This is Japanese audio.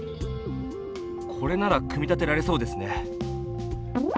これなら組み立てられそうですね。